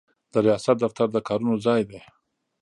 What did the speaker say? د ریاست دفتر د کارونو ځای دی.